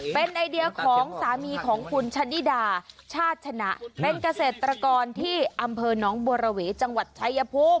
เป็นไอเดียของสามีของคุณชะนิดาชาติชนะเป็นเกษตรกรที่อำเภอน้องบัวระเวจังหวัดชายภูมิ